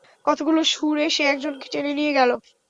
কতগুলো শুঁড় এসে একজনকে টেনে নিয়ে গেল!